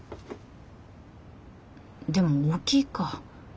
でも大きいか。